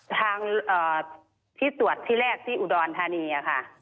ทางที่ตรวจที่แรกที่อุดรธานีค่ะ